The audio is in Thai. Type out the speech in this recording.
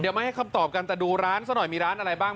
เดี๋ยวมาให้คำตอบกันแต่ดูร้านซะหน่อยมีร้านอะไรบ้าง